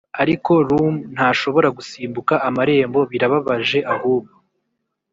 ariko rum ntashobora gusimbuka amarembo, birababaje ahubwo